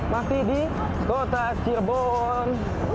masih di kota cirebon